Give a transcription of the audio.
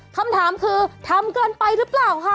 คำถามคือทำเกินไปหรือเปล่าค่ะ